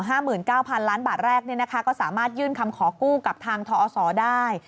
หรือ๕๙๐๐๐ล้านบาทแรกก็สามารถยื่นคำขอกู้กับทางทออสรได้